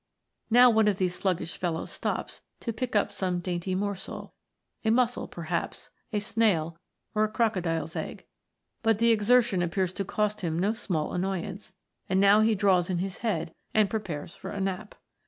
Now one of these sluggish fellows stops to pick up some dainty morsel (a mussel, perhaps, a snail, or a crocodile's egg), but the exertion appears to cost him no small annoy ance, and now he draws in his head and prepares for a nap.